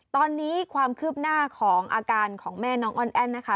ตอนนี้ความคืบหน้าของอาการของแม่น้องอ้อนแอ้นนะคะ